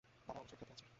দাদা অবশ্যই ক্ষেতে আছে।